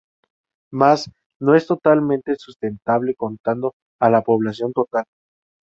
Mas no es totalmente sustentable contando a la población total.